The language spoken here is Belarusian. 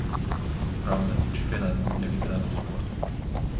Праўда, і чэмпіянат быў для ветэранаў спорту.